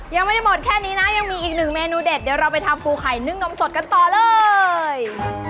ยังไม่ได้หมดแค่นี้นะยังมีอีกหนึ่งเมนูเด็ดเดี๋ยวเราไปทำปูไข่นึ่งนมสดกันต่อเลย